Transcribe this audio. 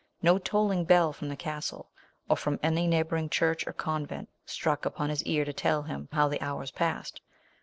No tolling bell from the castle, or from any neigh bouring church or convent, struck upon liis ear to tell how the hours passed.